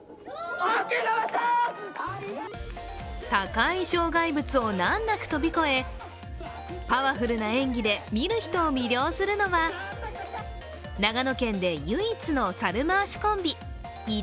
高い障害物を難なく飛び越え、パワフルな演技で見る人を魅了するのは、長野県で唯一の猿回しコンビ井出